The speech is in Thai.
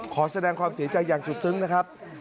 ขอแสดงความเสียใจอย่างสุดซึ้งนะครับ